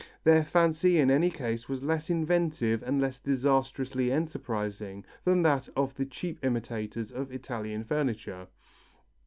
Their fancy in any case was less inventive and less disastrously enterprising than that of the cheap imitators of Italian furniture.